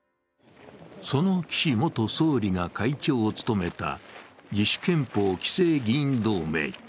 その岸元総理が会長を務めた自主憲法期成議員同盟。